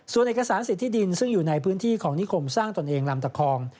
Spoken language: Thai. ส่วนเอกสารสิทธิดินซึ่งอยู่ในพื้นที่ของนิคมสร้างตนเองลำตะคอง